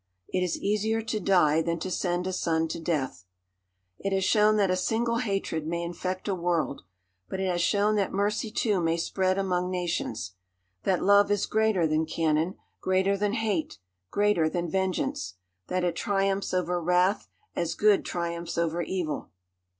It is easier to die than to send a son to death. It has shown that a single hatred may infect a world, but it has shown that mercy too may spread among nations. That love is greater than cannon, greater than hate, greater than vengeance; that it triumphs over wrath, as good triumphs over evil.